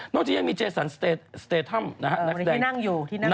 ก็จะยังมีเจสันสเตธัมนะครับนักแสดงที่นั่งอยู่ที่นั่งอยู่